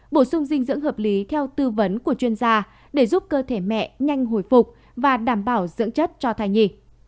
bổ sung dinh dưỡng hợp lý theo tư vấn của chuyên gia để giúp cơ thể mẹ nhanh hồi phục và đảm bảo dưỡng chất cho thai nhì